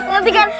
oke nanti kan